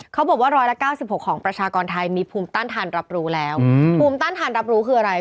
บอกว่า๑๙๖ของประชากรไทยมีภูมิต้านทานรับรู้แล้วภูมิต้านทานรับรู้คืออะไร